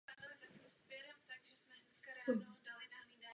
V některých zemích rodiče a děti využívají bezpečnostní vesty.